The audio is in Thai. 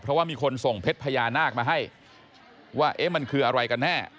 เพราะว่ามีคนส่งเพชรพญานาคมาให้ว่าเอ๊ะมันคืออะไรกันแน่